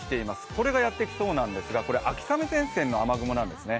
これがやってきそうなんですが秋雨前線の雨雲なんですね。